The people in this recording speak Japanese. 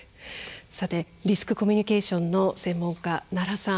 リスクコミュニケーションの専門家、奈良さん